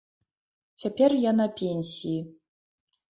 Цяпер я на пенсіі.